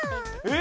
え！